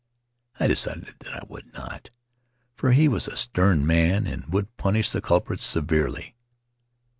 I decided that I would not, for he was a stern man and would punish the culprits severely.